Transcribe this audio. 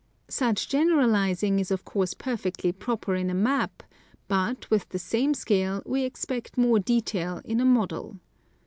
Such generalizing is of course perfectly proper in a map, but, with the same scale, we expect more detail in a model.